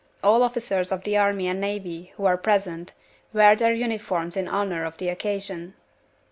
All officers of the army and navy who are present wear their uniforms in honor of the occasion.